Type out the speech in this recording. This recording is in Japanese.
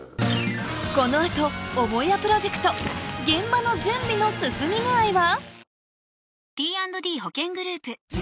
この後母屋プロジェクト現場の準備の進み具合は？